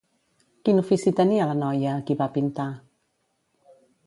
Quin ofici tenia la noia a qui va pintar?